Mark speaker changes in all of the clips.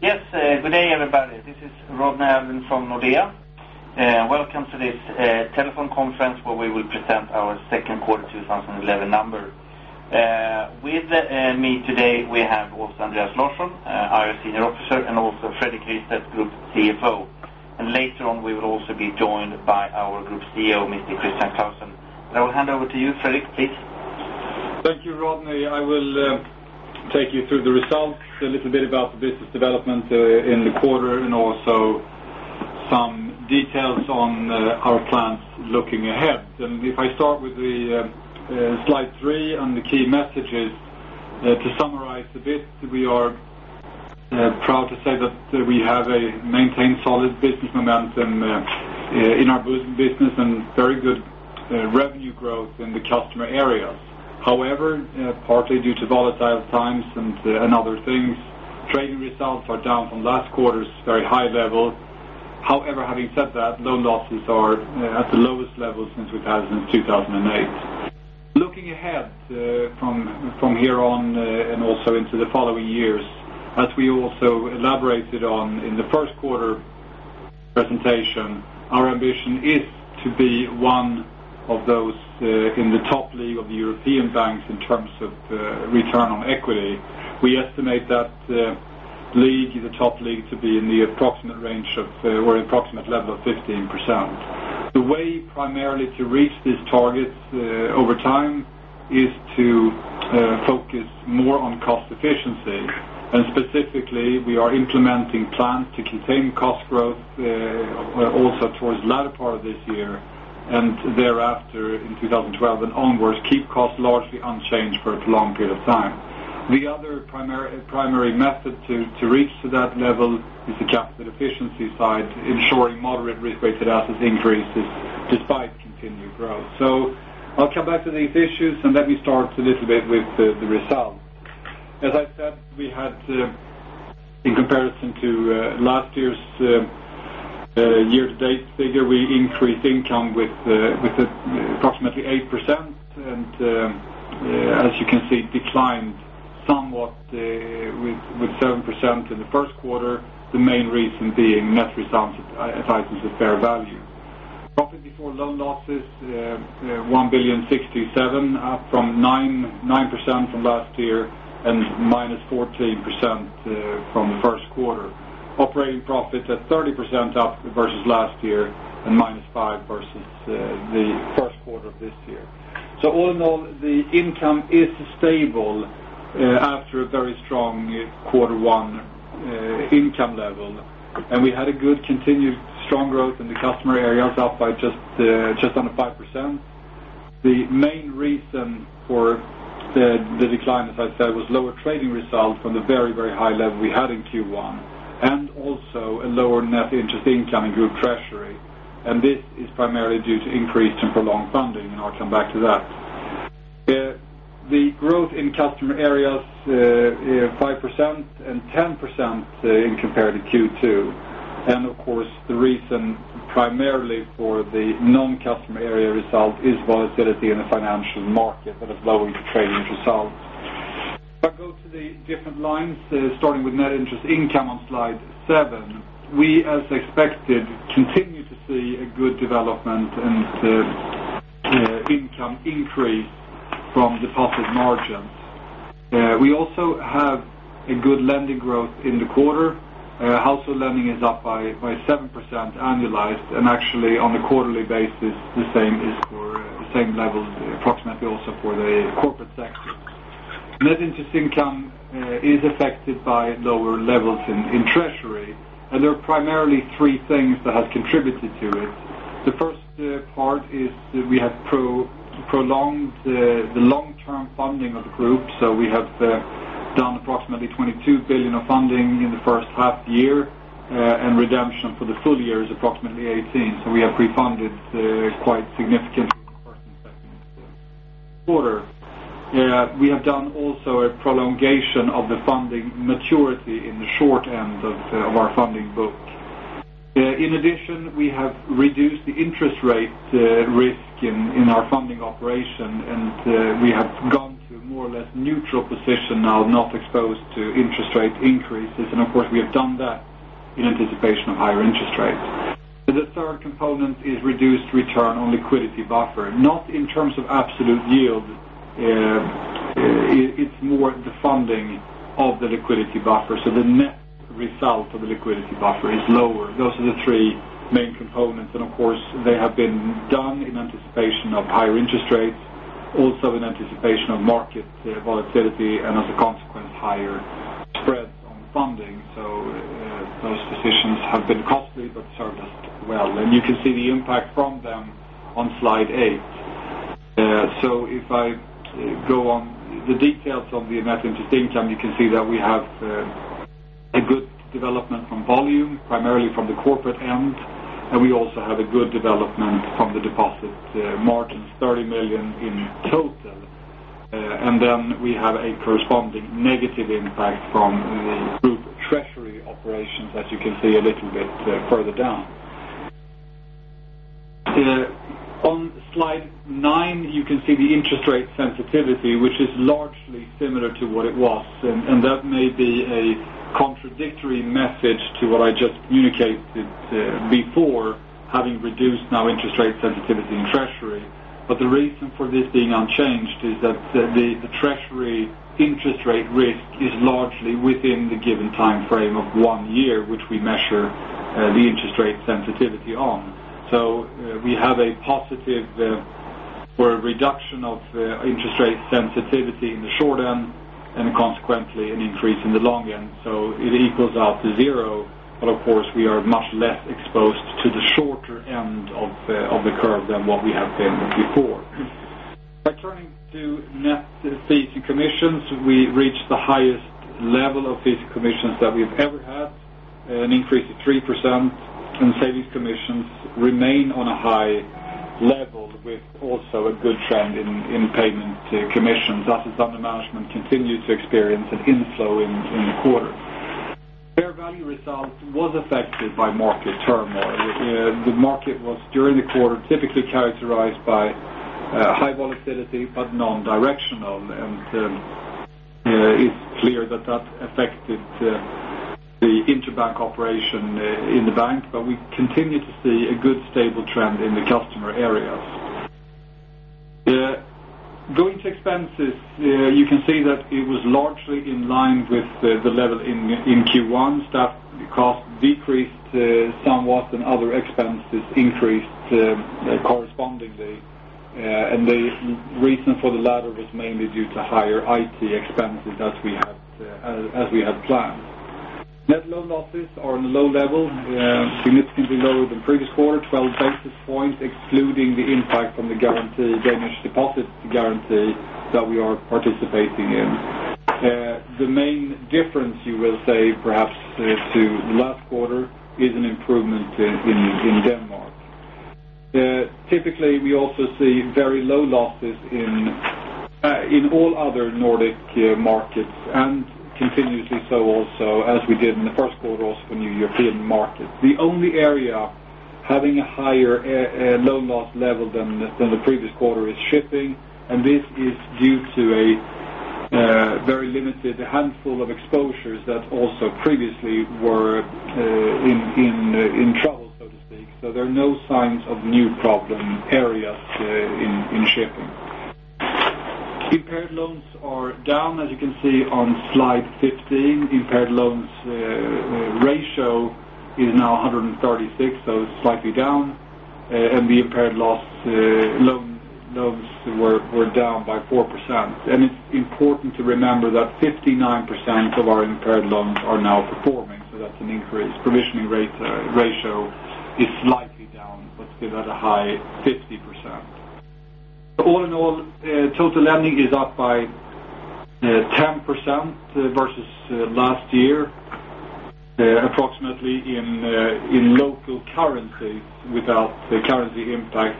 Speaker 1: Yes, good day, everybody. This is Rod Neven from Nordea. Welcome to this Telephone Conference where we will present our second quarter 2011 numbers. With me today, we have also Andreas Larsson, our Senior Officer, and also Fredrik Rystedt, Group CFO. Later on, we will also be joined by our Group CEO, Mr. Christian Clausen. I will hand over to you, Fredrik, please.
Speaker 2: Thank you, Rod. I will take you through the results, a little bit about the business development in the quarter, and also some details on our plans looking ahead. If I start with slide three on the key messages, to summarize a bit, we are proud to say that we have maintained solid business momentum in our business and very good revenue growth in the customer areas. However, partly due to volatile times and other things, trading results are down from last quarter's very high levels. Having said that, loan losses are at the lowest level since 2008. Looking ahead from here on and also into the following years, as we also elaborated on in the first quarter presentation, our ambition is to be one of those in the top league of the European banks in terms of return on equity. We estimate that the league, the top league, to be in the approximate range of, or approximate level of 15%. The way primarily to reach these targets over time is to focus more on cost efficiency. Specifically, we are implementing plans to contain cost growth also towards the latter part of this year and thereafter in 2012 and onwards, keep costs largely unchanged for a prolonged period of time. The other primary method to reach to that level is the capital efficiency side, ensuring moderate risk-weighted asset increases despite continued growth. I'll come back to these issues and let me start a little bit with the results. As I said, we had, in comparison to last year's year-to-date figure, we increased income with approximately 8% and, as you can see, declined somewhat with 7% in the first quarter, the main reason being net results at items of fair value. Profit before loan losses, 1.67 billion up by 9% from last year and minus 14% from the first quarter. Operating profits at 30% up versus last year and minus 5% versus the first quarter of this year. All in all, the income is stable after a very strong quarter one income level. We had a good continued strong growth in the customer areas up by just under 5%. The main reason for the decline, as I said, was lower trading result from the very, very high level we had in Q1 and also a lower net interest income in Group Treasury. This is primarily due to increased and prolonged funding, and I'll come back to that. The growth in customer areas is 5% and 10% in compared to Q2. Of course, the reason primarily for the non-customer area result is volatility in the financial market and a lower trading result. If I go to the different lines, starting with net interest income on slide seven, we, as expected, continue to see a good development and income increase from deposit margins. We also have a good lending growth in the quarter. Household lending is up by 7% annualized and actually on a quarterly basis, the same is for the same level, approximately also for the corporate sector. Net interest income is affected by lower levels in treasury, and there are primarily three things that have contributed to it. The first part is we have prolonged the long-term funding of the group. We have done approximately 22 billion of funding in the first half year, and redemption for the full year is approximately 18 billion. We have refunded quite significantly in the first and second quarter. We have done also a prolongation of the funding maturity in the short end of our funding book. In addition, we have reduced the interest rate risk in our funding operation, and we have gone to a more or less neutral position now, not exposed to interest rate increases. Of course, we have done that in anticipation of higher interest rates. The third component is reduced return on liquidity buffer, not in terms of absolute yield. It's more the funding of the liquidity buffer. The net result of the liquidity buffer is lower. Those are the three main components. They have been done in anticipation of higher interest rates, also in anticipation of market volatility and, as a consequence, higher spread on funding. Those positions have been costly but served us well. You can see the impact from them on slide eight. If I go on the details of the net interest income, you can see that we have a good development from volume, primarily from the corporate end, and we also have a good development from the deposit margins, 30 million in total. Then we have a corresponding negative impact from the Group Treasury operations, as you can see a little bit further down. On slide nine, you can see the interest rate sensitivity, which is largely similar to what it was. That may be a contradictory message to what I just communicated before, having reduced now interest rate sensitivity in treasury. The reason for this being unchanged is that the treasury interest rate risk is largely within the given time frame of one year, which we measure the interest rate sensitivity on. We have a positive reduction of interest rate sensitivity in the short end and, consequently, an increase in the long end. It equals out to zero. Of course, we are much less exposed to the shorter end of the curve than what we have been before. Turning to net fees and commissions, we reached the highest level of fees and commissions that we've ever had, an increase of 3%. Savings commissions remain on a high level with also a good trend in payment commissions. Assets under management continue to experience an inflow in the quarter. Fair value result was affected by market turmoil. The market was, during the quarter, typically characterized by high volatility but non-directional. It is clear that that affected the interbank operation in the bank. We continue to see a good stable trend in the customer areas. Going to expenses, you can see that it was largely in line with the level in Q1, that the cost decreased somewhat and other expenses increased correspondingly. The reason for the latter was mainly due to higher IT expenses that we had, as we had planned. Net loan losses are on a low level, significantly lower than pre-disbursed 12 basis points, excluding the impact from the Danish deposit guarantee that we are participating in. The main difference, you will say, perhaps to the last quarter is an improvement in Denmark. Typically, we also see very low losses in all other Nordic markets and continuously so also as we did in the first quarter also for new European markets. The only area having a higher loan loss level than the previous quarter is shipping. This is due to a very limited handful of exposures that also previously were in trouble, so to speak. There are no signs of new problem areas in shipping. Impaired loans are down, as you can see on slide 15. Impaired loans ratio is now 1.36%, so slightly down. The impaired loss loans were down by 4%. It is important to remember that 59% of our impaired loans are now performing. That is an increase. Provisioning rate ratio is slightly down but still at a high 50%. All in all, total lending is up by 10% versus last year, approximately in local currency without currency impact,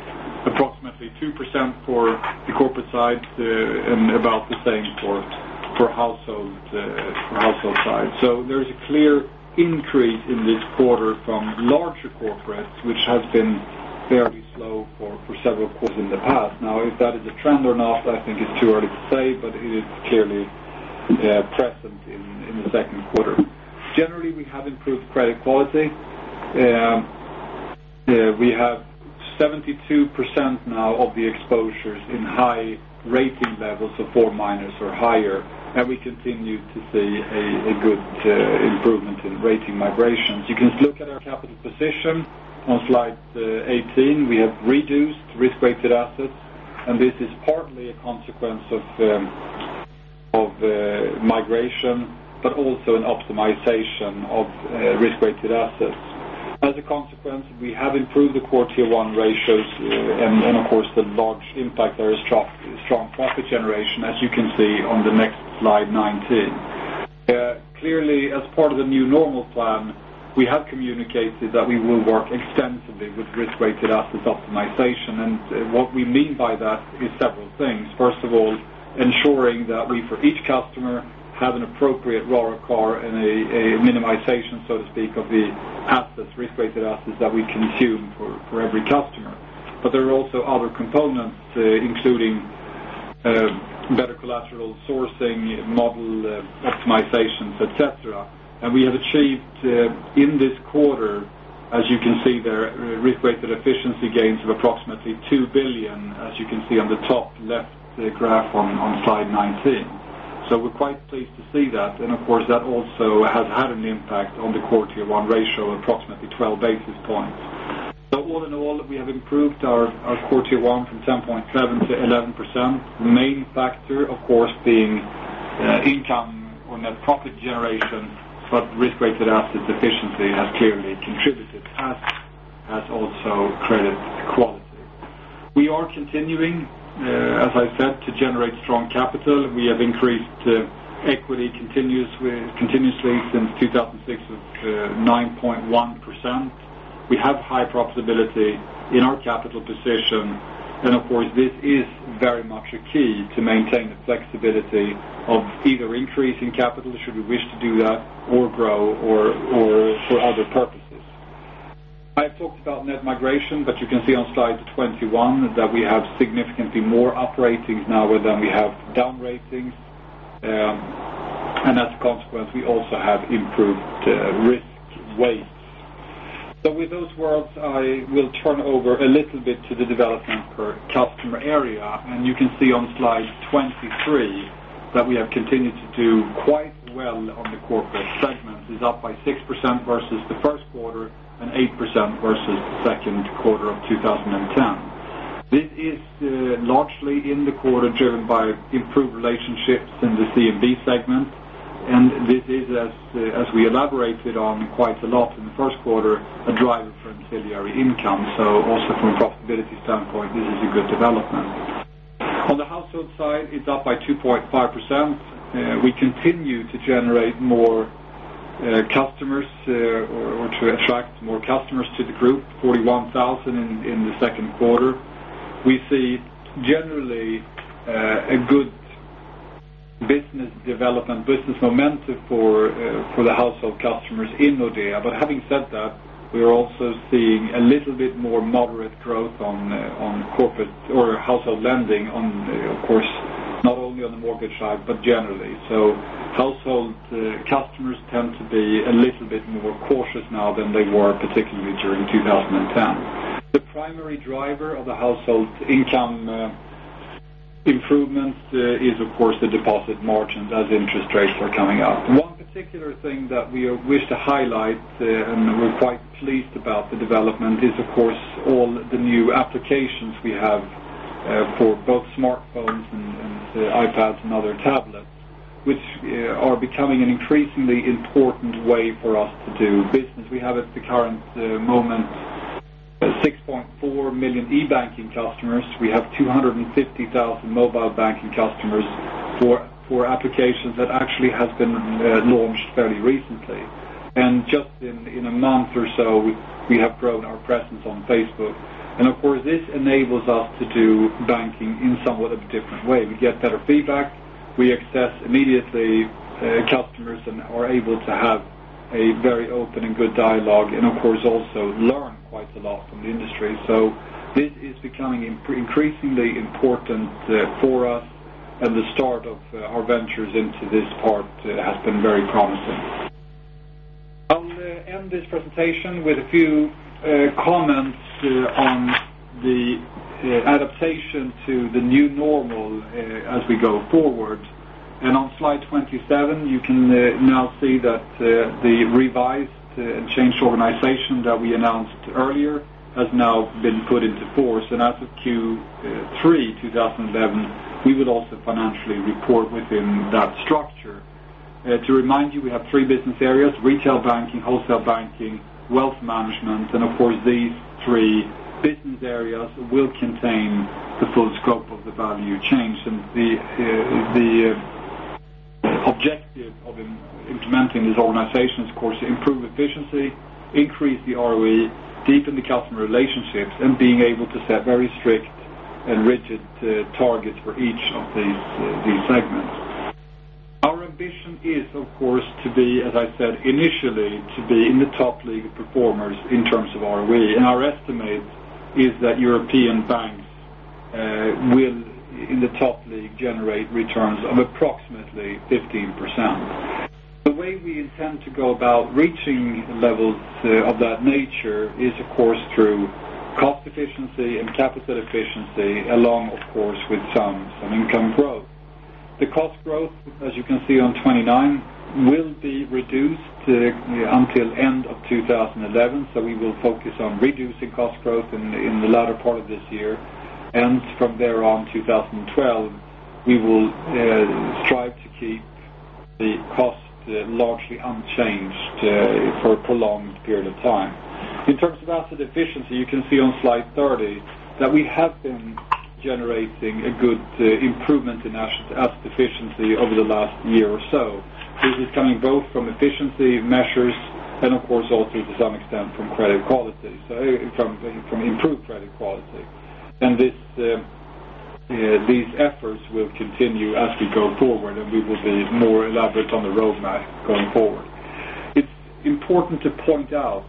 Speaker 2: approximately 2% for the corporate side and about the same for household side. There is a clear increase in this quarter from larger corporates, which has been fairly slow for several quarters in the past. Now, if that is a trend or not, I think it's too early to say, but it is clearly present in the second quarter. Generally, we have improved credit quality. We have 72% now of the exposures in high rating levels for four minors or higher. We continue to see a good improvement in rating migrations. You can look at our capital position on slide 18. We have reduced risk-weighted assets, and this is partly a consequence of migration, but also an optimization of risk-weighted assets. As a consequence, we have improved the core tier one ratios and, of course, the large impact that has struck strong profit generation, as you can see on the next slide 19. Clearly, as part of the new normal plan, we have communicated that we will work extensively with risk-weighted asset optimization. What we mean by that is several things. First of all, ensuring that we, for each customer, have an appropriate ROIC and a minimization, so to speak, of the risk-weighted assets that we consume for every customer. There are also other components, including better collateral sourcing, model optimizations, etc. We have achieved in this quarter, as you can see there, risk-weighted efficiency gains of approximately 2 billion, as you can see on the top left graph on slide 19. We're quite pleased to see that. That also has had an impact on the core tier one ratio of approximately 12 basis points. All in all, we have improved our core tier one from 10.7%-11%. The main factor, of course, being income on that profit generation, but risk-weighted assets efficiency has clearly contributed, as has also credit quality. We are continuing, as I said, to generate strong capital. We have increased equity continuously since 2006 of 9.1%. We have high profitability in our capital position. This is very much a key to maintain the flexibility of either increasing capital should we wish to do that or grow or for other purposes. I talked about net migration, but you can see on slide 21 that we have significantly more up ratings now than we have down ratings. As a consequence, we also have improved risk weights. With those words, I will turn over a little bit to the developing customer area. You can see on slide 23 that we have continued to do quite well on the corporate segment. It's up by 6% versus the first quarter and 8% versus the second quarter of 2010. This is largely in the quarter driven by improved relationships in the C&B segment. This is, as we elaborated on quite a lot in the first quarter, a driver for ancillary income. Also from a profitability standpoint, this is a good development. On the household side, it's up by 2.5%. We continue to generate more customers or to attract more customers to the group, 41,000 in the second quarter. We see generally a good business development, business momentum for the household customers in Nordea. Having said that, we are also seeing a little bit more moderate growth on corporate or household lending, of course, not only on the mortgage side but generally. Household customers tend to be a little bit more cautious now than they were, particularly during 2010. The primary driver of the household income improvements is, of course, the deposit margins as interest rates are coming up. One particular thing that we wish to highlight and we're quite pleased about the development is, of course, all the new applications we have for both smartphones and iPads and other tablets, which are becoming an increasingly important way for us to do business. We have at the current moment 6.4 million e-banking customers. We have 250,000 mobile banking customers for applications that actually have been launched fairly recently. In just a month or so, we have grown our presence on Facebook. This enables us to do banking in somewhat of a different way. We get better feedback. We access immediately customers and are able to have a very open and good dialogue and, of course, also learn quite a lot from the industry. This is becoming increasingly important for us. The start of our ventures into this part has been very promising. I'll end this presentation with a few comments on the adaptation to the new normal as we go forward. On slide 27, you can now see that the revised and changed organization that we announced earlier has now been put into force. As of Q3 2011, we will also financially report within that structure. To remind you, we have three business areas: retail banking, wholesale banking, wealth management. These three business areas will contain the full scope of the value chain. The objective of implementing this organization is, of course, to improve efficiency, increase the ROE, deepen the customer relationships, and be able to set very strict and rigid targets for each of these segments. Our ambition is, of course, to be, as I said initially, to be in the top league of performers in terms of ROE. Our estimate is that European banks will, in the top league, generate returns of approximately 15%. The way we intend to go about reaching levels of that nature is, of course, through cost efficiency and capital efficiency, along, of course, with some income growth. The cost growth, as you can see on 29, will be reduced until the end of 2011. We will focus on reducing cost growth in the latter part of this year. From there on, 2012, we will strive to keep the cost largely unchanged for a prolonged period of time. In terms of asset efficiency, you can see on slide 30 that we have been generating a good improvement in asset efficiency over the last year or so. This is coming both from efficiency measures and, of course, also to some extent from credit quality, so from improved credit quality. These efforts will continue as we go forward, and we will be more elaborate on the roadmap going forward. It's important to point out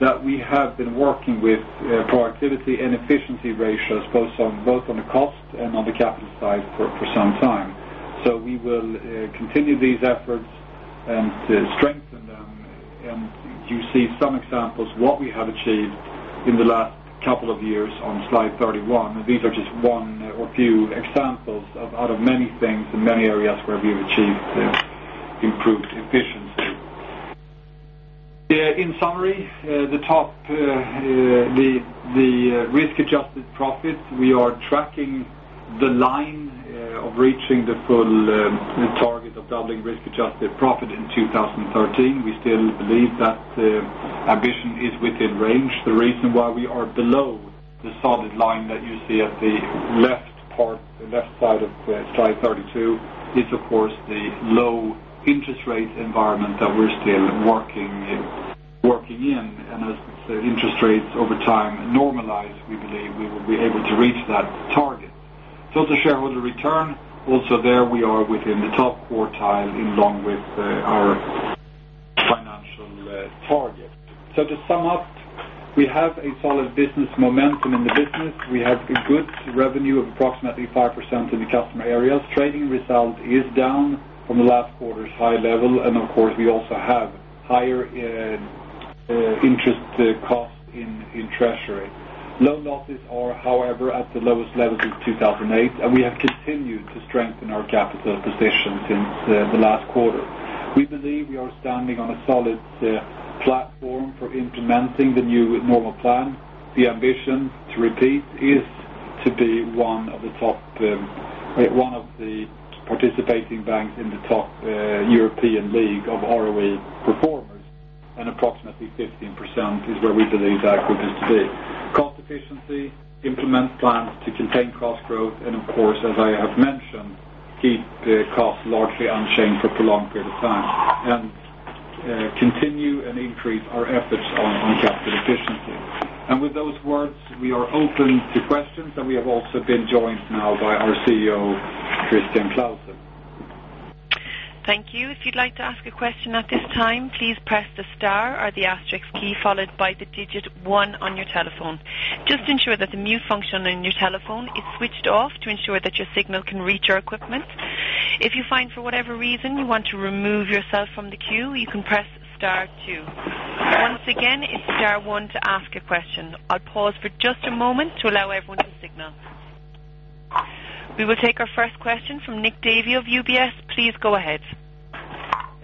Speaker 2: that we have been working with productivity and efficiency ratios both on the cost and on the capital side for some time. We will continue these efforts and strengthen them. You see some examples of what we have achieved in the last couple of years on slide 31. These are just one or few examples out of many things and many areas where we've achieved improved efficiency. In summary, the risk-adjusted profit, we are tracking the line of reaching the full target of public risk-adjusted profit in 2013. We still believe that ambition is within range. The reason why we are below the solid line that you see at the left part, left side of slide 32, is, of course, the low interest rate environment that we're still working in. As interest rates over time normalize, we believe we will be able to reach that target. Total shareholder return, also there we are within the top quartile along with our financial target. To sum up, we have a solid business momentum in the business. We have a good revenue of approximately 5% in the customer areas. Trading result is down from the last quarter's high level. We also have higher interest costs in treasury. Loan losses are, however, at the lowest level since 2008. We have continued to strengthen our capital position since the last quarter. We believe we are standing on a solid platform for implementing the new normal plan. The ambition, to repeat, is to be one of the top participating banks in the top European league of ROE performers. Approximately 15% is where we believe that would be to be. Cost efficiency implements plans to contain cost growth and, of course, as I have mentioned, keep costs largely unchanged for a prolonged period of time and continue and increase our efforts on capital efficiency. With those words, we are open to questions. We have also been joined now by our CEO, Christian Clausen.
Speaker 1: Thank you. If you'd like to ask a question at this time, please press the star or the asterisk key followed by the digit one on your telephone. Just ensure that the mute function on your telephone is switched off to ensure that your signal can reach our equipment. If you find, for whatever reason, you want to remove yourself from the queue, you can press star two. Once again, it's star one to ask a question. I'll pause for just a moment to allow everyone to signal. We will take our first question from Nick Davey of UBS. Please go ahead.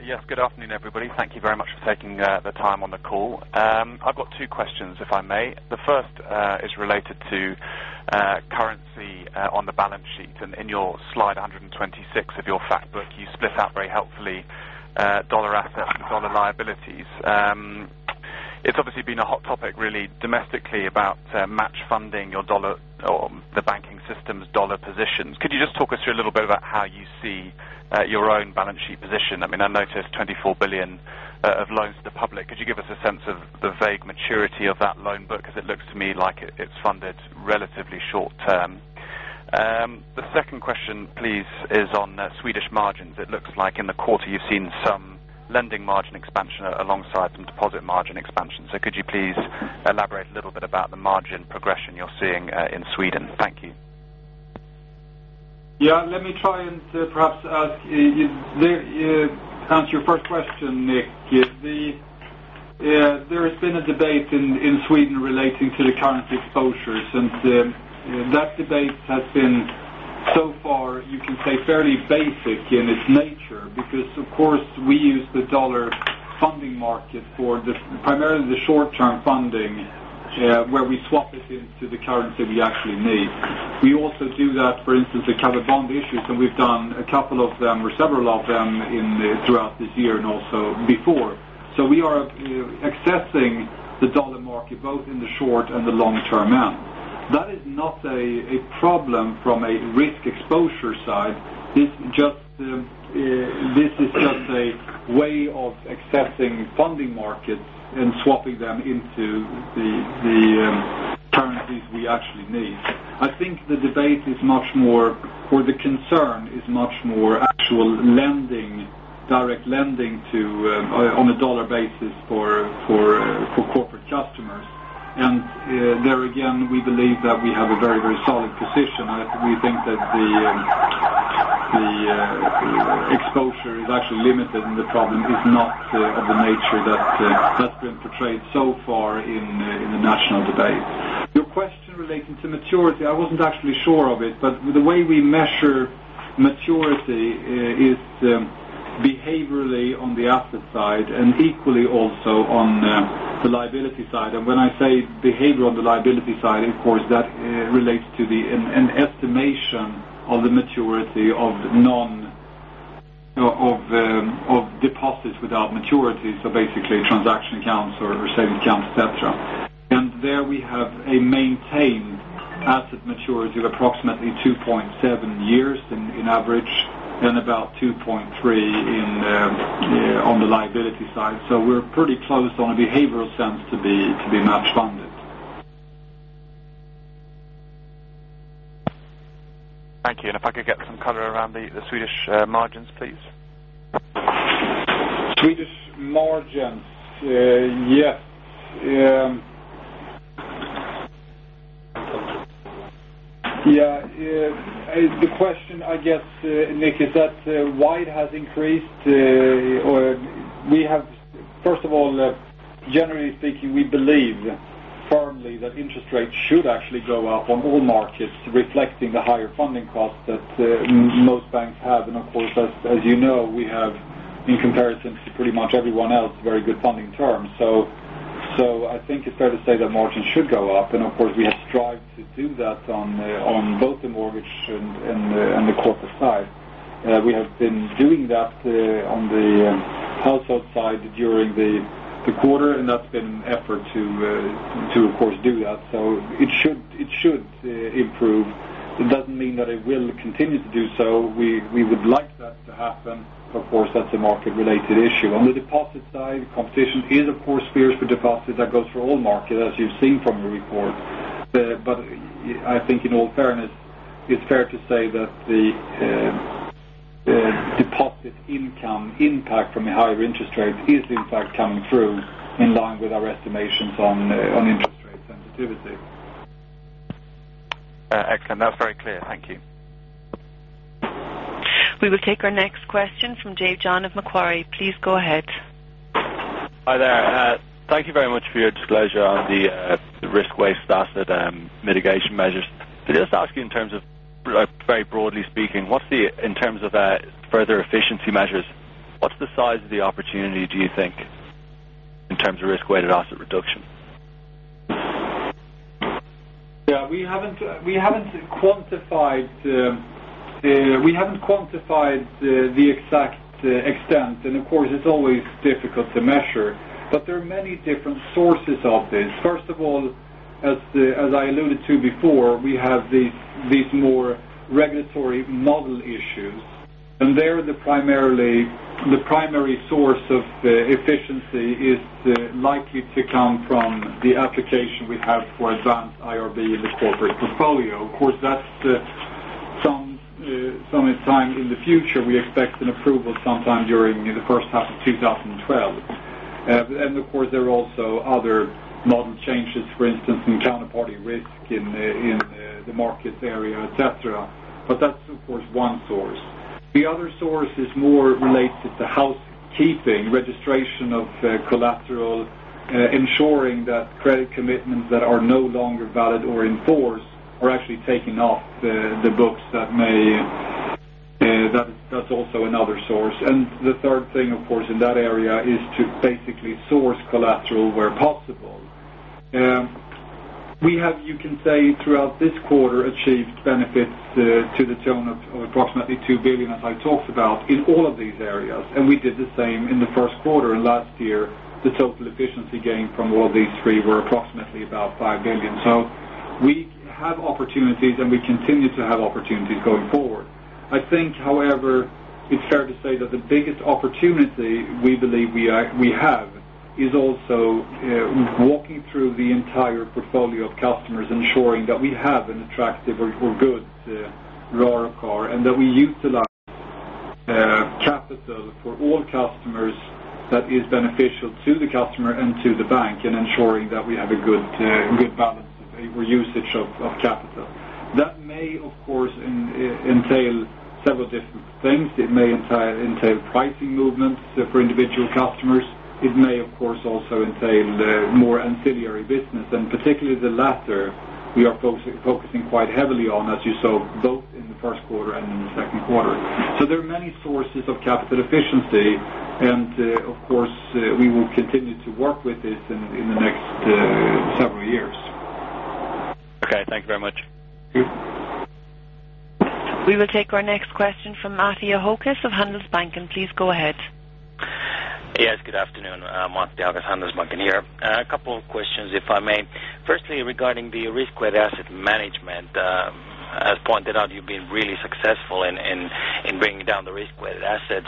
Speaker 3: Yes. Good afternoon, everybody. Thank you very much for taking the time on the call. I've got two questions, if I may. The first is related to currency on the balance sheet. In your slide 126 of your fact book, you split out very helpfully dollar assets and dollar liabilities. It's obviously been a hot topic, really, domestically about match funding or the banking system's dollar positions. Could you just talk us through a little bit about how you see your own balance sheet position? I mean, I noticed $24 billion of loans to the public. Could you give us a sense of the vague maturity of that loan book? It looks to me like it's funded relatively short term. The second question, please, is on Swedish margins. It looks like in the quarter you've seen some lending margin expansion alongside some deposit margin expansion. Could you please elaborate a little bit about the margin progression you're seeing in Sweden? Thank you.
Speaker 2: Let me try and perhaps ask you to answer your first question, Nick. There has been a debate in Sweden relating to the currency exposures. That debate has been, so far, you can say, fairly basic in its nature because, of course, we use the dollar funding market for primarily the short-term funding where we swap it into the currency we actually need. We also do that, for instance, to cover bond issues. We've done a couple of them or several of them throughout this year and also before. We are accessing the dollar market both in the short and the long-term end. That is not a problem from a risk exposure side. This is just a way of accessing funding markets and swapping them into the currencies we actually need. I think the debate is much more, or the concern is much more, actual direct lending on a dollar basis for corporate customers. There again, we believe that we have a very, very solid position. We think that the exposure is actually limited, and the problem is not the nature that it's threatened to trade so far in the national debate. Your question relating to maturity, I wasn't actually sure of it. The way we measure maturity is behaviorally on the asset side and equally also on the liability side. When I say behavior on the liability side, of course, that relates to an estimation of the maturity of deposits without maturity, so basically transaction accounts or savings accounts, etc. There we have maintained asset maturity of approximately 2.7 years on average and about 2.3 on the liability side. We're pretty close on a behavioral sense to be match funded.
Speaker 3: Thank you. If I could get some color around the Swedish margins, please.
Speaker 2: Swedish margins, yeah. The question, I guess, Nick, is that why it has increased? We have, first of all, generally speaking, we believe firmly that interest rates should actually go up on all markets, reflecting the higher funding costs that most banks have. Of course, as you know, we have, in comparison to pretty much everyone else, very good funding terms. I think it's fair to say that margins should go up. We have strived to do that on both the mortgage and the corporate side. We have been doing that on the household side during the quarter, and that's been an effort to, of course, do that. It should improve. It doesn't mean that it will continue to do so. We would like that to happen. Of course, that's a market-related issue. On the deposit side, the competition is, of course, fierce for deposit. That goes for all markets, as you've seen from the report. I think in all fairness, it's fair to say that the deposit income impact from a higher interest rate is, in fact, coming through in line with our estimations on interest rate sensitivity.
Speaker 3: Excellent. That was very clear. Thank you.
Speaker 1: We will take our next question from Jay Jacobs of Macquarie. Please go ahead.
Speaker 4: Hi there. Thank you very much for your disclosure on the risk-based asset mitigation measures. I just ask you, in terms of very broadly speaking, what's the, in terms of further efficiency measures, what's the size of the opportunity, do you think, in terms of risk-weighted asset reduction?
Speaker 2: Yeah. We haven't quantified the exact extent. Of course, it's always difficult to measure. There are many different sources of this. First of all, as I alluded to before, we have these more regulatory model issues. There, the primary source of efficiency is likely to come from the application we have for advanced IRB in the corporate portfolio. Of course, that's sometime in the future. We expect an approval sometime during the first half of 2012. There are also other model changes, for instance, in counterparty risk in the markets area, etc. That's one source. The other source is more related to the housekeeping, registration of collateral, ensuring that credit commitments that are no longer valid or enforced are actually taken off the books. That's also another source. The third thing in that area is to basically source collateral where possible. We have, you can say, throughout this quarter, achieved benefits to the tone of approximately 2 billion that I talked about in all of these areas. We did the same in the first quarter. Last year, the total efficiency gain from all of these three were approximately about 5 billion. We have opportunities, and we continue to have opportunities going forward. I think, however, it's fair to say that the biggest opportunity we believe we have is also walking through the entire portfolio of customers and ensuring that we have an attractive or good ROIC and that we utilize capital for all customers that is beneficial to the customer and to the bank and ensuring that we have a good balance of usage of capital. That may entail several different things. It may entail pricing movements for individual customers. It may also entail more ancillary business. Particularly the latter, we are focusing quite heavily on, as you saw, both in the first quarter and in the second quarter. There are many sources of capital efficiency. Of course, we will continue to work with this in the next several years.
Speaker 3: Okay, thank you very much.
Speaker 1: We will take our next question from Matti Ahokas of Handelsbanken Capital Markets AB. Please go ahead.
Speaker 5: Yes. Good afternoon. Matti Ahokas, Handelsbanken here. A couple of questions, if I may. Firstly, regarding the risk-weighted asset management, as pointed out, you've been really successful in bringing down the risk-weighted assets.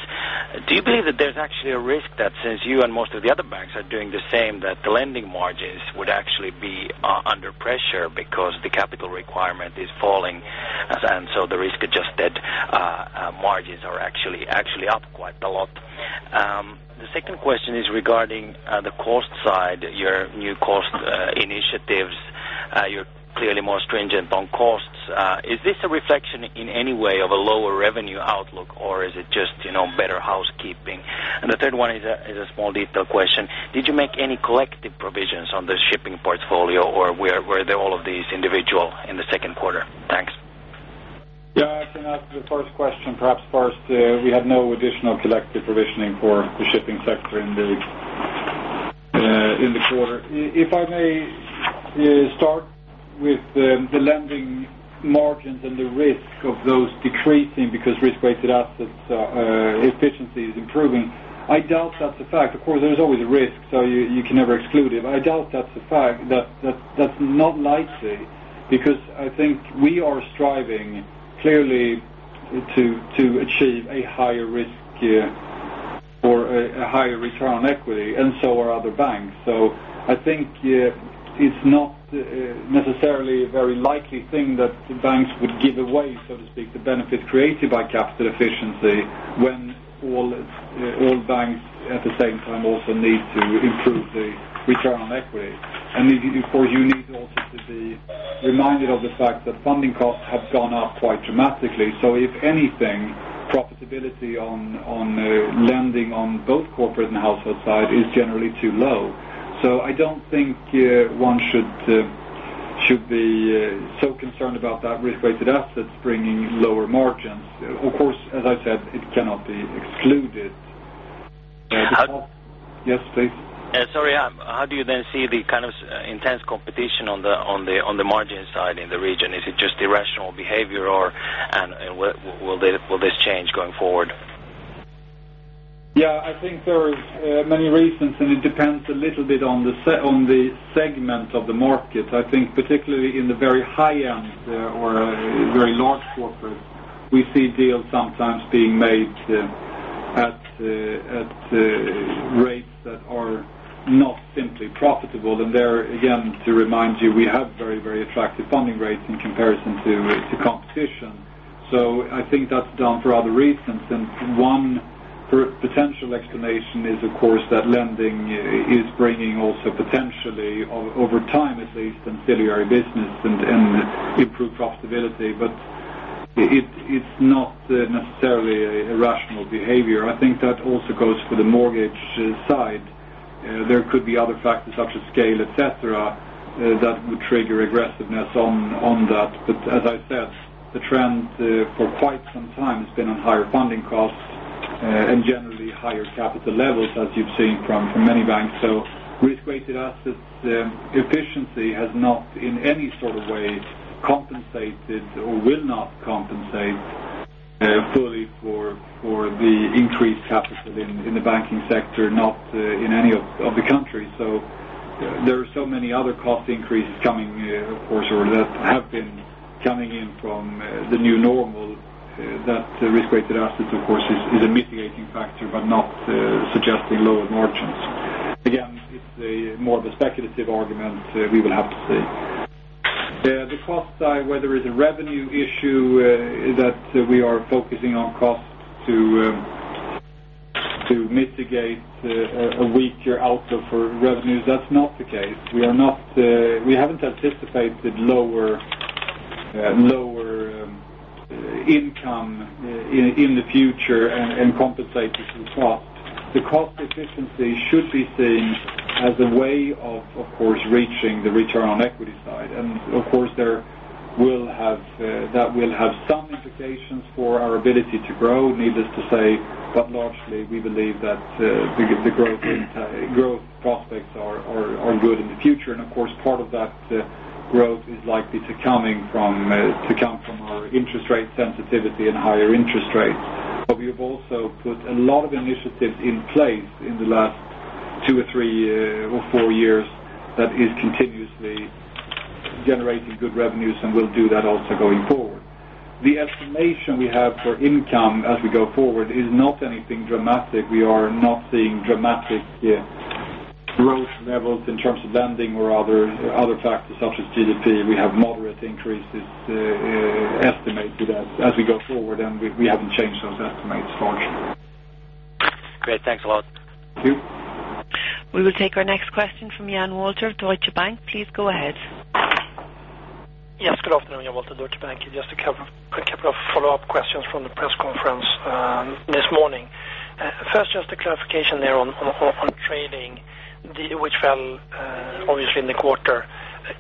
Speaker 5: Do you believe that there's actually a risk that since you and most of the other banks are doing the same, that the lending margins would actually be under pressure because the capital requirement is falling and so the risk-adjusted margins are actually up quite a lot? The second question is regarding the cost side, your new cost initiatives. You're clearly more stringent on costs. Is this a reflection in any way of a lower revenue outlook, or is it just better housekeeping? The third one is a small detail question. Did you make any collective provisions on the shipping portfolio, or were all of these individual in the second quarter? Thanks. I think that's the first question. Perhaps first, we have no additional collective provisioning for the shipping sector in the quarter. If I may start with the lending margins and the risk of those decreasing because risk-weighted assets efficiency is improving, I doubt that's a fact. Of course, there's always a risk, so you can never exclude it. I doubt that's a fact. That's not likely because I think we are striving clearly to achieve a higher risk or a higher return on equity, and so are other banks. I think it's not necessarily a very likely thing that the banks would give away, so to speak, the benefit created by capital efficiency when all banks at the same time also need to improve the return on equity. If you do so, you need also to be reminded of the fact that funding costs have gone up quite dramatically. If anything, profitability on lending on both corporate and household side is generally too low. I don't think one should be so concerned about that risk-weighted assets bringing lower margins. Of course, as I said, it cannot be excluded. Yes, please. Sorry, how do you then see the kind of intense competition on the margin side in the region? Is it just irrational behavior, or will this change going forward?
Speaker 2: Yeah. I think there are many reasons, and it depends a little bit on the segment of the market. I think particularly in the very high-end or very large corporate, we see deals sometimes being made at rates that are not simply profitable. There, again, to remind you, we have very, very attractive funding rates in comparison to competition. I think that's done for other reasons. One potential explanation is, of course, that lending is bringing also potentially, over time at least, ancillary business and improved profitability. It's not necessarily a rational behavior. I think that also goes for the mortgage side. There could be other factors such as scale, etc., that would trigger aggressiveness on that. As I said, the trend for quite some time has been on higher funding costs and generally higher capital levels, as you've seen from many banks. Risk-weighted asset efficiency has not in any sort of way compensated or will not compensate fully for the increased capital in the banking sector, not in any of the countries. There are so many other cost increases coming, of course, or that have been coming in from the new normal that risk-weighted assets, of course, is a mitigating factor but not suggesting lower margins. This is more of a speculative argument. We will have to see. The cost side, whether it's a revenue issue that we are focusing on costs to mitigate a weaker outlook for revenues, that's not the case. We haven't anticipated lower income in the future and compensated for the cost efficiency should be seen as a way of, of course, reaching the return on equity side. Of course, that will have some implications for our ability to grow, needless to say. Largely, we believe that the growth prospects are good in the future. Of course, part of that growth is likely to come from our interest rate sensitivity and higher interest rates. We have also put a lot of initiatives in place in the last two or three or four years that are continuously generating good revenues and will do that also going forward. The estimation we have for income as we go forward is not anything dramatic. We are not seeing dramatic growth levels in terms of lending or other factors such as GDP. We have moderate increases estimated as we go forward, and we haven't changed those estimates for you.
Speaker 5: Great. Thanks a lot.
Speaker 2: Thank you.
Speaker 1: We will take our next question from Jana Walther of Deutsche Bank. Please go ahead.
Speaker 6: Yes. Good afternoon, Jan Walter of Deutsche Bank. Just a couple of follow-up questions from the press conference this morning. First, just a clarification there on trading, which fell obviously in the quarter.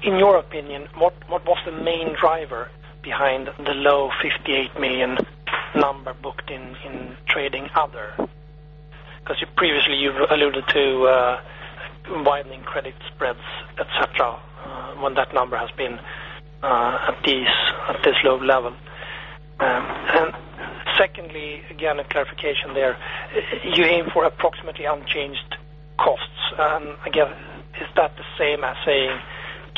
Speaker 6: In your opinion, what was the main driver behind the low $58 million number booked in trading other? Previously, you alluded to widening credit spreads, etc., when that number has been at this low level. Secondly, again, a clarification there. You aim for approximately unchanged costs. Is that the same as saying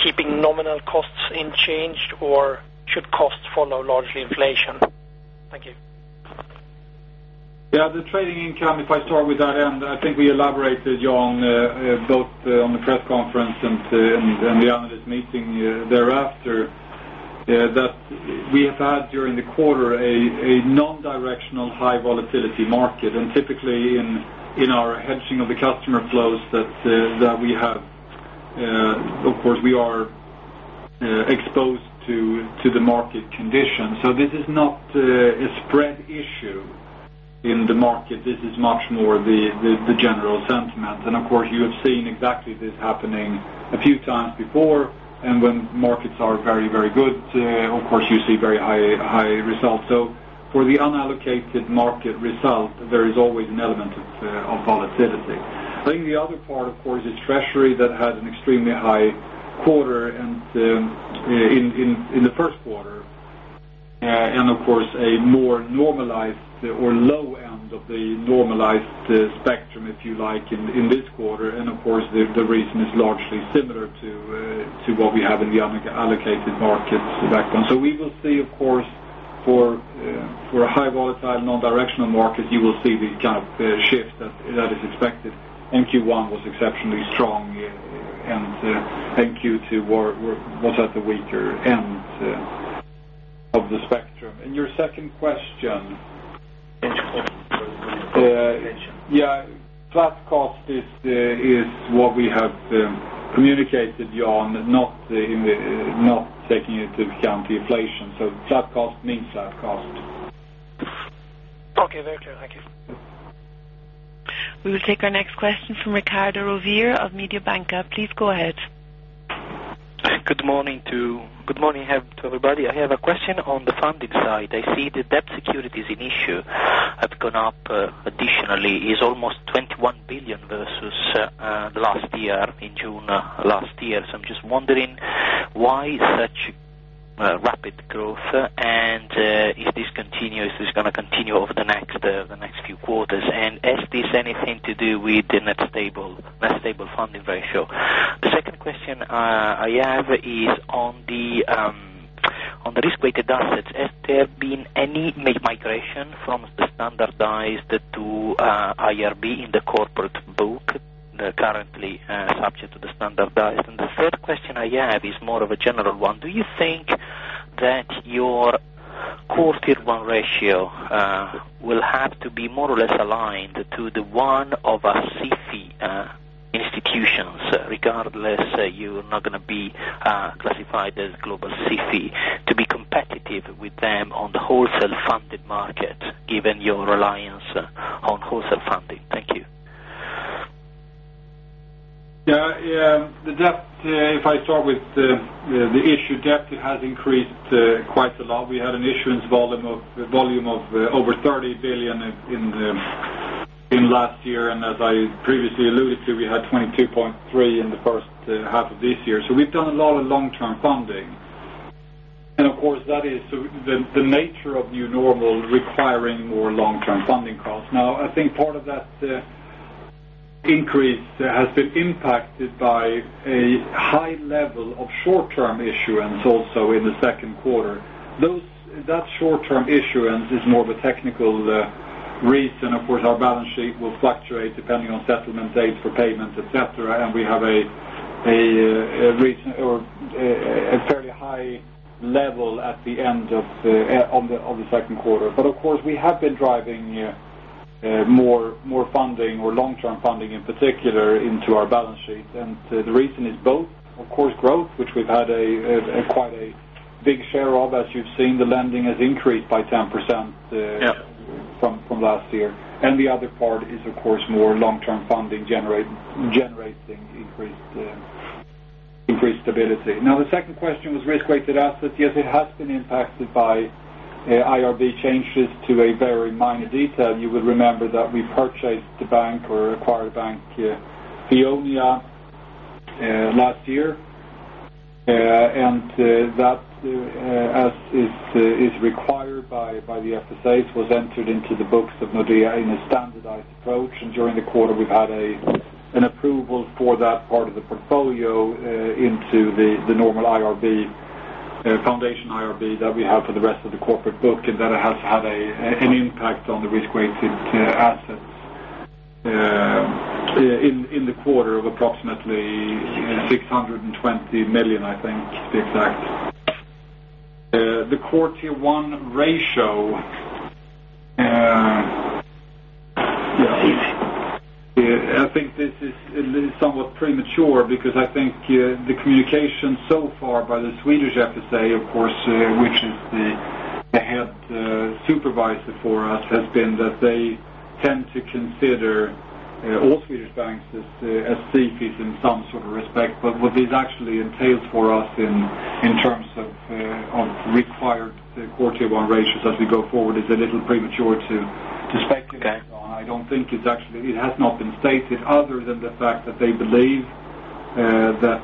Speaker 6: keeping nominal costs unchanged, or should costs follow largely inflation? Thank you. Yeah. The trading income, if I start with that end, and I think we elaborated on both on the press conference and in the analyst meeting thereafter, that we have had during the quarter a non-directional high volatility market. Typically, in our hedging of the customer flows that we have, of course, we are exposed to the market condition. This is not a spread issue in the market. This is much more the general sentiment. You have seen exactly this happening a few times before. When markets are very, very good, you see very high results. For the unallocated market result, there is always an element of volatility. I think the other part is treasury that had an extremely high quarter in the first quarter, and a more normalized or low end of the normalized spectrum, if you like, in this quarter.
Speaker 2: The reason is largely similar to what we have in the unallocated markets background. We will see, for high volatile non-directional markets, you will see the kind of shift that is expected. Q1 was exceptionally strong, and Q2 was at the weaker end of the spectrum. Your second question.
Speaker 6: Thank you.
Speaker 2: Yeah. Flat cost is what we have communicated, Jana, not taking into account the inflation. Flat cost means flat cost.
Speaker 6: Okay, very true. Thank you.
Speaker 1: We will take our next question from Riccardo Ruggeri of Mediabanca. Please go ahead.
Speaker 7: Good morning to everybody. I have a question on the funding side. I see the debt securities in issue have gone up additionally. It's almost $21 billion versus last year, in June last year. I'm just wondering why that rapid growth and if this continues, is this going to continue over the next few quarters? Has this anything to do with the net stable funding ratio? The second question I have is on the risk-weighted assets. Has there been any migration from the standardized to IRB in the corporate book? They're currently subject to the standardized. The third question I have is more of a general one. Do you think that your core Tier 1 ratio will have to be more or less aligned to the one of our CFE institutions, regardless you're not going to be classified as global CFE, to be competitive with them on the wholesale funded market, given your reliance on wholesale funding? Thank you.
Speaker 2: Yeah. Yeah. If I start with the issue, debt, it has increased quite a lot. We had an issuance volume of over €30 billion in last year. As I previously alluded to, we had 22.3 billion in the first half of this year. We've done a lot of long-term funding. Of course, that is the nature of new normal requiring more long-term funding costs. I think part of that increase has been impacted by a high level of short-term issuance also in the second quarter. That short-term issuance is more of a technical reason. Our balance sheet will fluctuate depending on settlement dates for payments, etc. We had a fairly high level at the end of the second quarter. We have been driving more funding or long-term funding in particular into our balance sheet. The reason is both, of course, growth, which we've had quite a big share of. As you've seen, the lending has increased by 10% from last year. The other part is more long-term funding generating increased stability. The second question was risk-weighted assets. Yes, it has been impacted by IRB changes to a very minor detail. You will remember that we purchased the bank or acquired the bank, Fionia Bank, last year. As is required by the FSAs, that was entered into the books of Nordea in a standardized approach. During the quarter, we've had an approval for that part of the portfolio into the normal foundation IRB that we have for the rest of the corporate book and that has had an impact on the risk-weighted assets in the quarter of approximately 620 million, I think, to be exact. The core Tier 1 ratio, I think this is somewhat premature because I think the communication so far by the Swedish FSA, which is the head supervisor for us, has been that they tend to consider all Swedish banks as CFEs in some sort of respect. What this actually entails for us in terms of required core tier one ratios as we go forward is a little premature to speculate on. I don't think it has been stated other than the fact that they believe that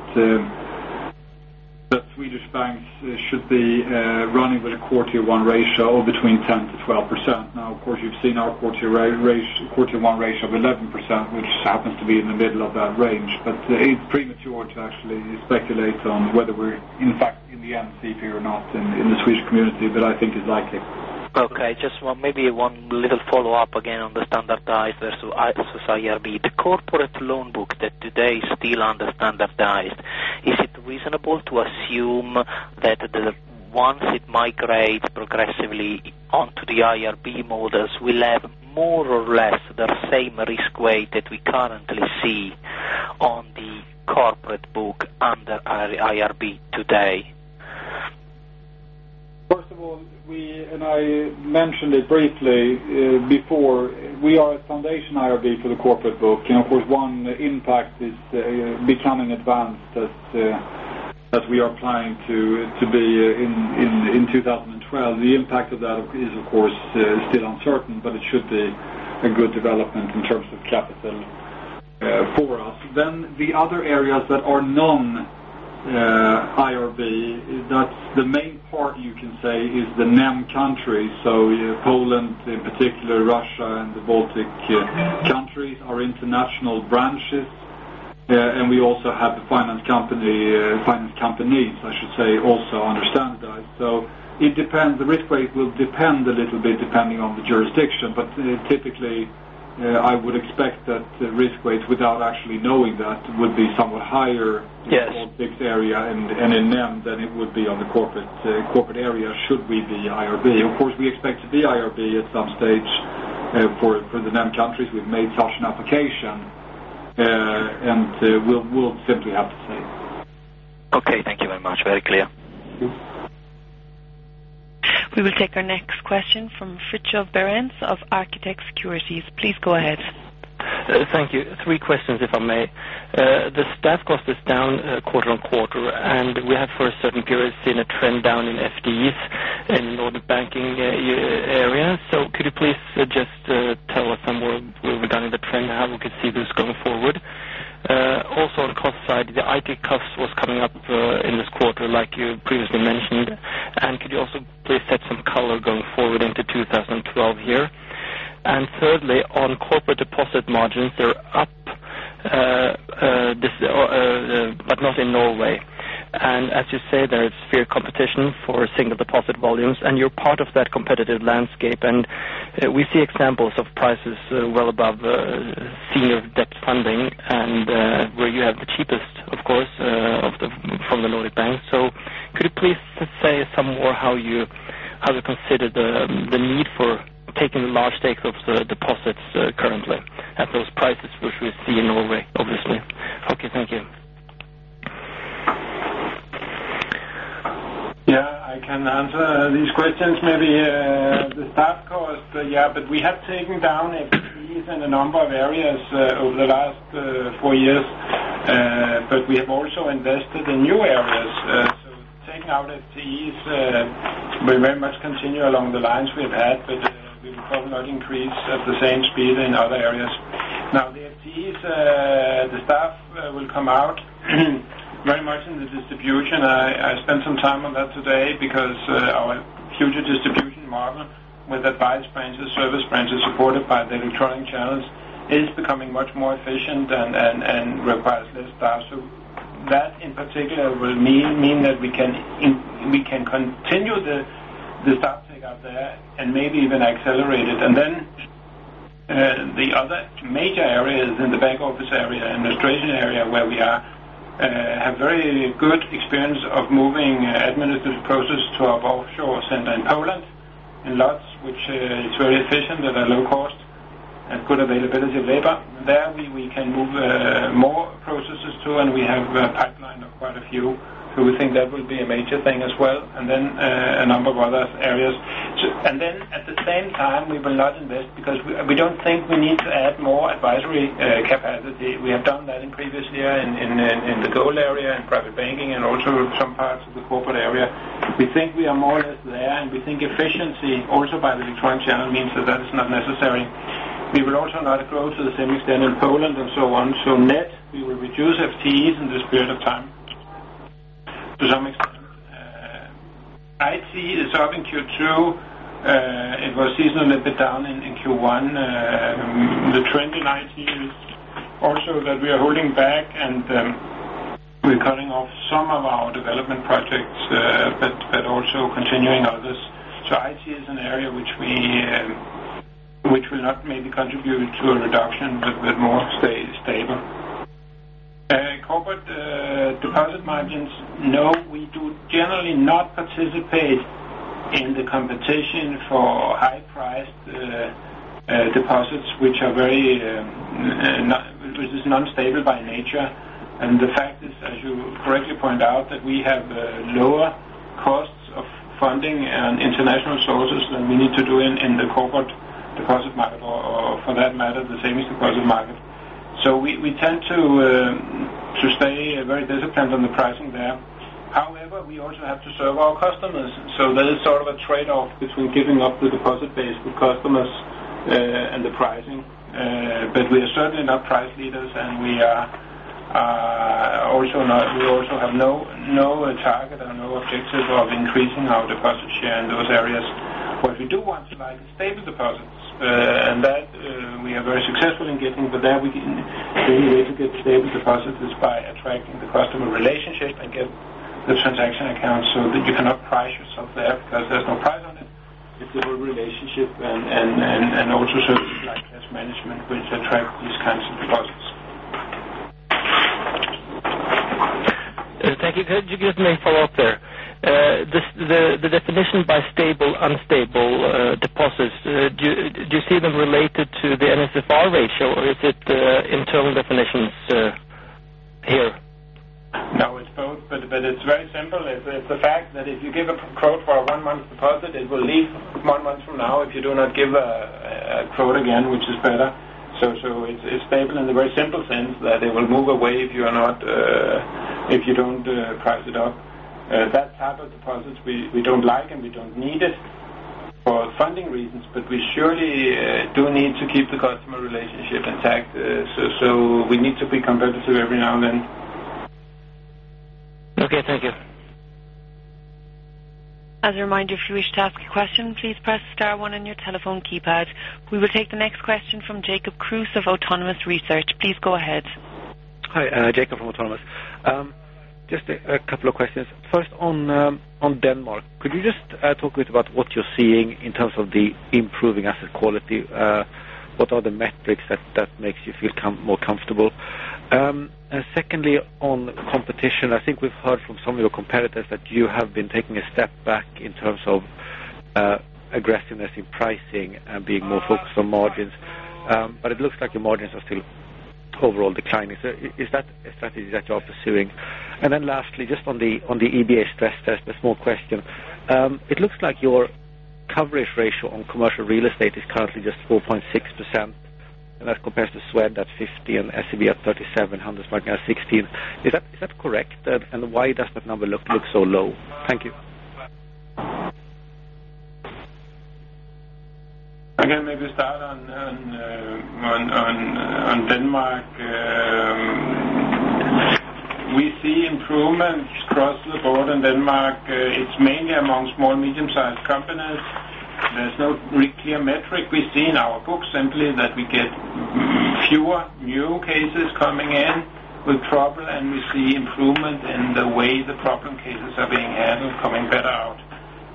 Speaker 2: Swedish banks should be running with a core Tier 1 ratio of between 10%-12%. You've seen our core Tier 1 ratio of 11%, which happens to be in the middle of that range. It's premature to actually speculate on whether we're, in fact, in the end CFE or not in the Swedish community, but I think it's likely.
Speaker 7: Okay. Just maybe one little follow-up again on the standardized versus IRB. The corporate loan book that today is still under standardized, is it reasonable to assume that once it migrates progressively onto the IRB models, we'll have more or less the same risk weight that we currently see on the corporate book under IRB today?
Speaker 2: First of all, we, and I mentioned it briefly before, we are a foundation IRB for the corporate book. Of course, one impact is becoming advanced as we are planning to be in 2012. The impact of that is, of course, still uncertain, but it should be a good development in terms of capital for us. The other areas that are non-IRB, that's the main part you can say is the NEM countries. Poland in particular, Russia, and the Baltic countries are international branches. We also have the finance companies, I should say, also understand those. It depends. The risk rate will depend a little bit depending on the jurisdiction. Typically, I would expect that risk rates, without actually knowing that, would be somewhat higher in the Baltic area and in NEM than it would be on the corporate area should we be IRB. We expect to be IRB at some stage for the NEM countries. We've made such an application. We'll simply have to see.
Speaker 7: Okay, thank you very much. Very clear.
Speaker 1: We will take our next question from Fridtjof Berents of Arctic Securities ASA. Please go ahead.
Speaker 8: Thank you. Three questions, if I may. The staff cost is down quarter on quarter. We have, for a certain period, seen a trend down in FDs in the Nordic banking area. Could you please just tell us where we're at in the trend and how we could see this going forward? Also, on the cost side, the IT cost was coming up in this quarter, like you previously mentioned. Could you also please set some color going forward into 2012 here? Thirdly, on corporate deposit margins, they're up, but not in Norway. As you say, there is fierce competition for single deposit volumes, and you're part of that competitive landscape. We see examples of prices well above senior debt funding and where you have the cheapest, of course, from the Nordic banks. Could you please say how you consider the need for taking large takes of the deposits currently at those prices, which we see in Norway, obviously? Okay. Thank you.
Speaker 9: Yeah, I can answer these questions. Maybe the staff cost, yeah. We have taken down FTEs in a number of areas over the last four years, but we have also invested in new areas. Taking out FTEs, we very much continue along the lines we've had, but we've probably not increased at the same speed in other areas. Now, the FTEs, the staff will come out very much in the distribution. I spent some time on that today because our future distribution model with advice branches, service branches supported by the electronic channels, is becoming much more efficient and requires less staff. That, in particular, will mean that we can continue the staff take-up there and maybe even accelerate it. The other major areas are in the back office area and the trading area, where we have very good experience of moving administrative processes to our offshore center in Poland in Lodz, which is very efficient at a low cost and has good availability of labor. There, we can move more processes to, and we have a pipeline of quite a few. We think that would be a major thing as well, and then a number of other areas. At the same time, we will not invest because we don't think we need to add more advisory capacity. We have done that in previous years in the gold area and private banking and also some parts of the corporate area. We think we are more or less there, and we think efficiency also by the electronic channel means that that is not necessary. We would also not grow to the same extent in Poland and so on. Net, we will reduce FTEs in this period of time. To some extent, IT is serving Q2. It was seasonally a bit down in Q1. The trend in IT is also that we are holding back, and we're cutting off some of our development projects but also continuing others. IT is an area which will not maybe contribute to an adoption but will more stay stable. Corporate deposit margins, no, we do generally not participate in the competition for high-priced deposits, which is non-stable by nature. The fact is, as you correctly point out, that we have lower costs of funding on international sources than we need to do in the corporate deposit market or, for that matter, the same as deposit market. We tend to stay very disciplined on the pricing there. However, we also have to serve our customers, so there is sort of a trade-off between giving up the deposit base with customers and the pricing. We are certainly not price leaders, and we also have no target or objective of increasing our deposit share in those areas. What we do want is stable deposits, and we are very successful in getting that. The thing is, if you get stable deposits, it's by attracting the customer relationship and getting the transaction accounts so that you cannot price yourself there because there's no price on it. It's a whole relationship and also certain supply chain management, for instance, to attract these kinds of deposits.
Speaker 8: Thank you. Could you give us a follow-up there? The definition by stable, unstable deposits, do you see them related to the NSFR ratio, or is it internal definitions here?
Speaker 9: No, it's both, but it's very simple. It's the fact that if you give a quote for a one-month deposit, it will leave one month from now if you do not give a quote again, which is better. It's stable in the very simple sense that it will move away if you don't price it up. That type of deposits, we don't like and we don't need it for funding reasons, but we surely do need to keep the customer relationship intact. We need to be competitive every now and then.
Speaker 8: Okay, thank you.
Speaker 1: As a reminder, if you wish to ask a question, please press star one on your telephone keypad. We will take the next question from Jacob Kruse of Autonomous Research. Please go ahead.
Speaker 10: Hi, Jacob from Autonomous. Just a couple of questions. First, on Denmark, could you just talk a bit about what you're seeing in terms of the improving asset quality? What are the metrics that make you feel more comfortable? Secondly, on competition, I think we've heard from some of your competitors that you have been taking a step back in terms of aggressiveness in pricing and being more focused on margins. It looks like your margins are still overall declining. Is that a strategy that you are pursuing? Lastly, just on the EBA stress test, a small question. It looks like your coverage ratio on commercial real estate is currently just 4.6%. That compares to Swed at 50% and SEB at 37%, Handelsbanken at 16%. Is that correct? Why does that number look so low? Thank you.
Speaker 9: Again, maybe to start on Denmark. We see improvements across the board in Denmark. It's mainly among small and medium-sized companies. There's no clear metric we see in our book, simply that we get fewer new cases coming in with problem, and we see improvement in the way the problem cases are being handled, coming better out.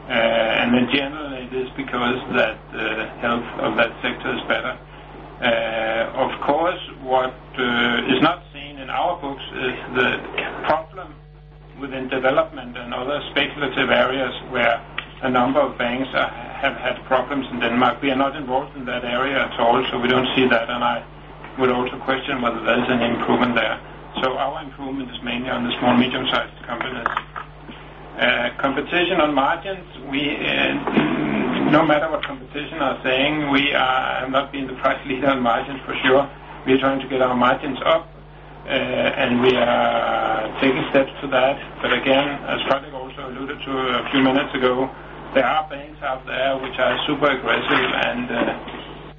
Speaker 9: In general, it is because the health of that sector is better. Of course, what is not seen in our books is the problem within development and other speculative areas where a number of banks have had problems in Denmark. We are not involved in that area at all, so we don't see that. I would also question whether there's an improvement there. Our improvement is mainly on the small and medium-sized companies. Competition on margins, no matter what competition are saying, we have not been the price leader on margins for sure. We are trying to get our margins up, and we are taking steps to that. As Fredrik Rystedt also alluded to a few minutes ago, there are banks out there which are super aggressive, and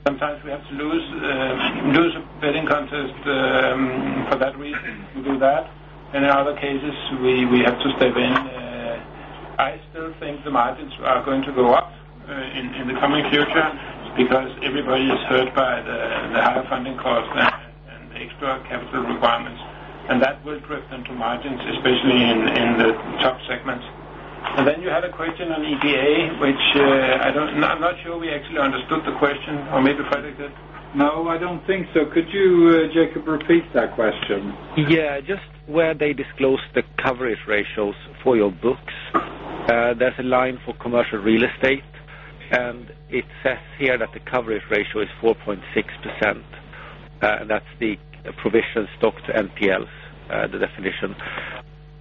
Speaker 9: sometimes we have to lose a bidding contest for that reason. We do that. In other cases, we have to step in. I still think the margins are going to go up in the coming future because everybody is hurt by the higher funding costs and extra capital requirements. That will drift them for margins, especially in the top segments. You had a question on EBA, which I'm not sure we actually understood the question, or maybe Fredrik Rystedt said.
Speaker 2: No, I don't think so. Could you, Jacob, repeat that question?
Speaker 10: Yeah. Just where they disclosed the coverage ratios for your books, there's a line for commercial real estate, and it says here that the coverage ratio is 4.6%. That's the provision stock to NPLs, the definition.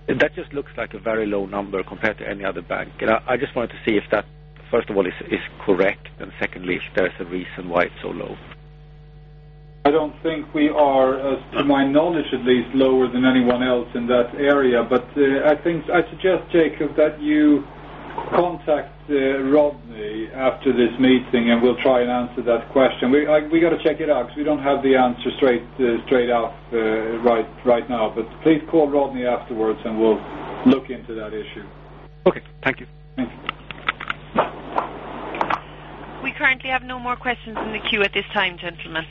Speaker 10: That just looks like a very low number compared to any other bank. I just wanted to see if that, first of all, is correct, and secondly, if there's a reason why it's so low.
Speaker 9: I don't think we are, to my knowledge at least, lower than anyone else in that area. I suggest, Jacob, that you contact Rodney after this meeting, and we'll try and answer that question. We have to check it out because we don't have the answer straight out right now. Please call Rodney afterwards, and we'll look into that issue.
Speaker 10: Okay, thank you.
Speaker 9: Thank you.
Speaker 1: We currently have no more questions in the queue at this time, gentlemen.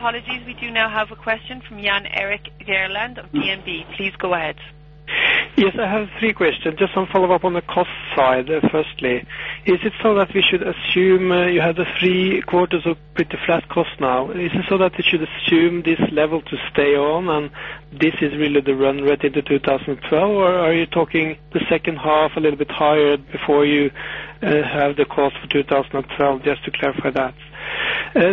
Speaker 1: My apologies. We do now have a question from Jan Erik Gjerland of DNB. Please go ahead.
Speaker 11: Yes. I have three questions. Just some follow-up on the cost side. Firstly, is it so that we should assume you have the three quarters with the flat cost now? Is it so that we should assume this level to stay on and this is really the run rate into 2012? Or are you talking the second half a little bit higher before you have the cost for 2012? Just to clarify that.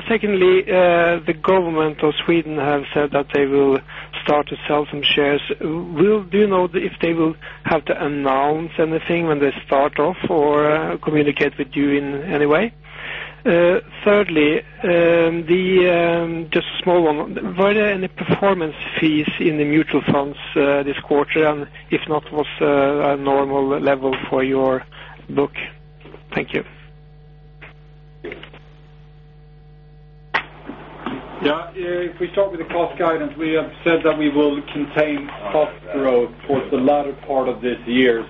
Speaker 11: Secondly, the government of Sweden has said that they will start to sell some shares. Do you know if they will have to announce anything when they start off or communicate with you in any way? Thirdly, just a small one. Were there any performance fees in the mutual funds this quarter? And if not, what is a normal level for your book? Thank you.
Speaker 2: If we start with the cost guidance, we have said that we will contain cost growth towards the latter part of this year.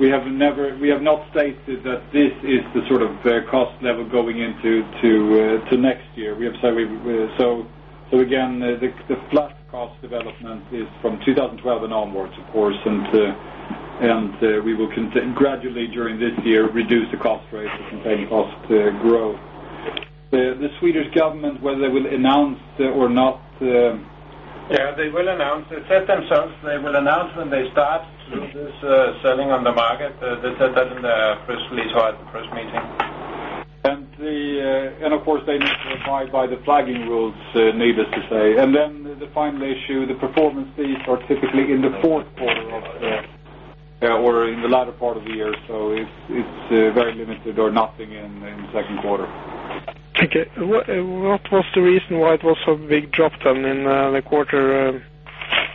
Speaker 2: We have not stated that this is the sort of cost level going into next year. We have said we will. The flat cost development is from 2012 and onwards, of course. We will gradually, during this year, reduce the cost rates to contain cost growth. The Swedish government, whether they will announce or not, they will announce. They said themselves they will announce when they start to do this selling on the market. They said that in the press release or at the press meeting. They need to abide by the plugging rules needed to say. The final issue, the performance fees are typically in the fourth quarter or in the latter part of the year. It is very limited or nothing in the second quarter.
Speaker 11: Okay. What was the reason why it was such a big drop in the quarter?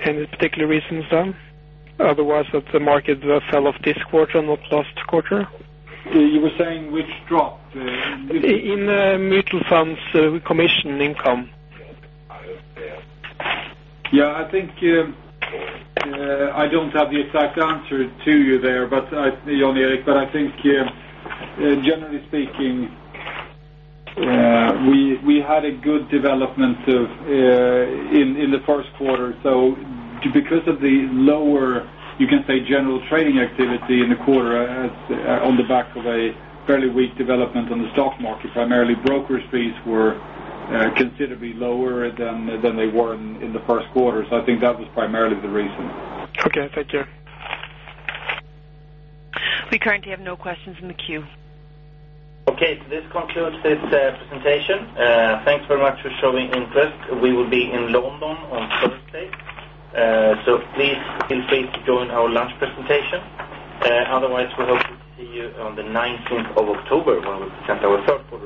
Speaker 11: Any particular reasons? Otherwise, did the market fall off this quarter and not last quarter?
Speaker 2: You were saying which dropped?
Speaker 11: In the mutual funds, the commission income.
Speaker 2: I don't have the exact answer to you there, Jan Erik, but generally speaking, we had a good development in the first quarter. Because of the lower, you can say, general trading activity in the quarter on the back of a fairly weak development on the stock market, primarily brokers' fees were considerably lower than they were in the first quarter. I think that was primarily the reason.
Speaker 11: Okay, thank you.
Speaker 1: We currently have no questions in the queue. Okay. This concludes this presentation. Thanks very much for showing interest. We will be in London on Thursday. Please feel free to join our lunch presentation. Otherwise, we hope to see you on the 19th of October when we present our third book.